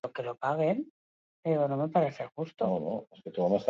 Dendak konpondu eta erakusgai ipini zuen, bezeroaren eta haren semearen irudiarekin.